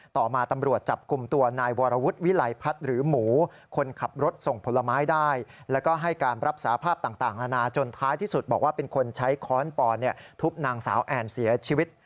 ต่อมาตำรวจจับกลุ่มตัวนายวรวุฒิวิลัยพัฒน์หรือหมูคนขับรถส่งผลไม้ได้แล้วก็ให้การรับสาภาพต่างนานาจนท้ายที่สุดบอกว่าเป็นคนใช้ค้อนปอนทุบนางสาวแอนเสียชีวิต